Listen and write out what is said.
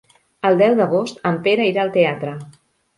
El deu d'agost en Pere irà al teatre.